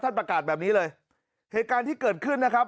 ประกาศแบบนี้เลยเหตุการณ์ที่เกิดขึ้นนะครับ